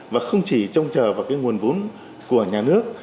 và không chỉ trông chờ vào cái nguồn vốn của nhà nước